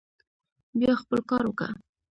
بيا خپل کار وکه.